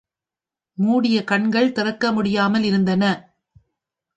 மூடின கண்கள் திறக்க முடியாமல் இருந்தன.